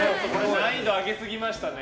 難易度を上げすぎましたね。